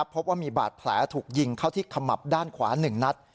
พบว่ามีบาดแผลถูกยิงเข้าที่ขมับด้านขวา๑นัด